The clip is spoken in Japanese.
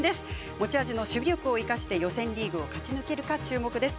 持ち味の守備力を生かして予選リーグを勝ち抜けるか注目です。